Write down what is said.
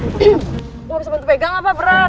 lu harus bantu pegang apa bro